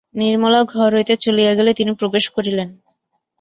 নির্মলা ঘর হইতে চলিয়া গেলে তিনি প্রবেশ করিলেন।